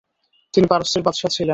তিনি পারস্যের বাদশাহ ছিলেন।